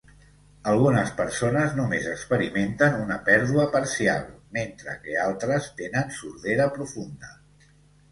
Algunes persones només experimenten una pèrdua parcial, mentre que altres tenen sordera profunda.